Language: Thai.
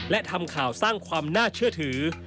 และทำข่าวสร้างความน่าเชื่อถือ